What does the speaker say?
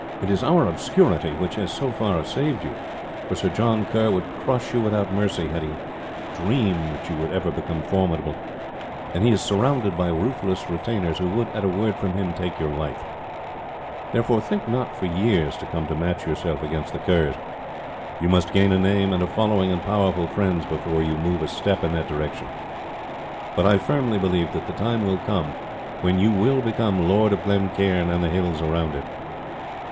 It is our obscurity which has so far saved you, for Sir John Kerr would crush you without mercy did he dream that you could ever become formidable; and he is surrounded by ruthless retainers, who would at a word from him take your life; therefore think not for years to come to match yourself against the Kerrs. You must gain a name and a following and powerful friends before you move a step in that direction; but I firmly believe that the time will come when you will become lord of Glencairn and the hills around it.